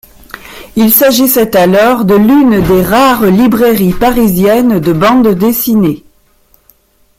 Il s'agissait alors de l'une des rares librairies parisiennes de bande dessinée.